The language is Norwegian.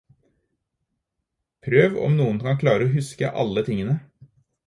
Prøv om noen kan klare å huske alle tingene.